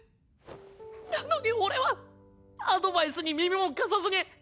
なのに俺はアドバイスに耳も貸さずに。